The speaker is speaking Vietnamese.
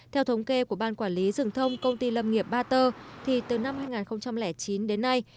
theo thống kê của ban quản lý rừng thông công ty lâm nghiệp ba tơ thì từ năm hai nghìn chín đến nay